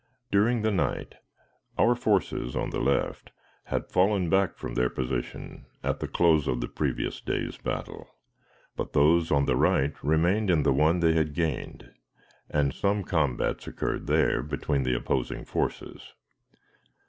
During the night our forces on the left had fallen back from their position at the close of the previous day's battle, but those on the right remained in the one they had gained, and some combats occurred there between the opposing forces.